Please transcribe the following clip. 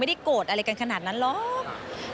ไม่ได้โกรธอะไรกันขนาดนั้นหรอก